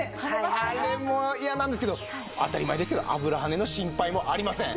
あれも嫌なんですけど当たり前ですけど油ハネの心配もありません。